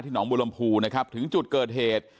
ที่หนองบุรมภูร์ถึงจุดเกิดเหตุ